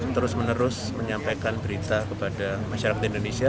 terus menerus menyampaikan berita kepada masyarakat indonesia